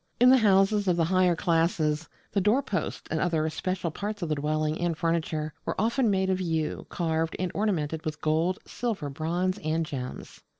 In the houses of the higher classes the doorposts and other special parts of the dwelling and furniture were often made of yew, carved, and ornamented with gold, silver, bronze, and gems.